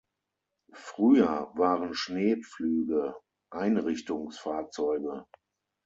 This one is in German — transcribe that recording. Früher waren Schneepflüge Ein-Richtungs-Fahrzeuge.